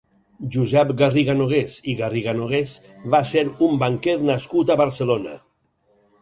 Josep Garriga-Nogués i Garriga-Nogués va ser un banquer nascut a Barcelona.